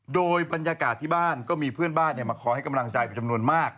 โดยบรรยากาศที่บ้านก็มีเพื่อนบ้านมาคอยให้กำลังใจเป็นจำนวนมาก